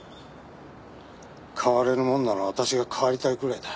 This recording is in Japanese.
代われるもんなら私が代わりたいくらいだ。